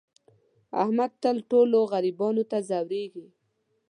احمد تل ټولو غریبانو ته ځورېږي.